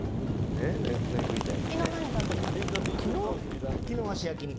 何食いたい？